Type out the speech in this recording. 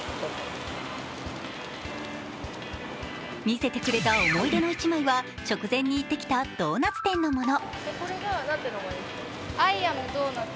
見せてくれた思い出の１枚は直前に行ってきたドーナツ店のもの。